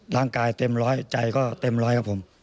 ร่างกายเต็มร้อยใจก็เต็มร้อยครับผม